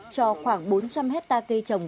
cho khoảng bốn trăm linh hectare cây trồng